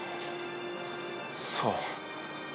そう。